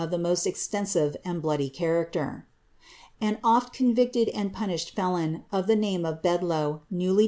ie most extensive and blooily character. Am »^{"i eonviciei! and punished felon, of the name of Bedloe, ncwij i!